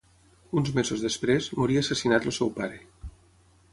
Uns mesos després, moria assassinat el seu pare.